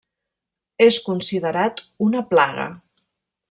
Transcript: És considerat una plaga.